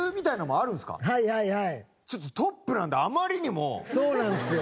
ちょっとトップなんであまりにも。そうなんですよ。